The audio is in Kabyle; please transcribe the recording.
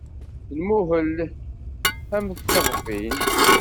Nmuhel am tkeḍfin.